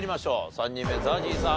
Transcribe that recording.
３人目ＺＡＺＹさん